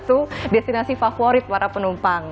itu destinasi favorit para penumpang